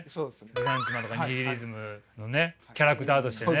ルサンチマンとかニヒリズムのねキャラクターとしてね。